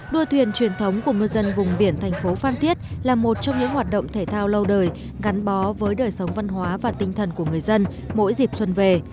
đua thuyền truyền thống của ngư dân vùng biển thành phố phan thiết là một trong những hoạt động thể thao lâu đời gắn bó với đời sống văn hóa và tinh thần của người dân mỗi dịp xuân về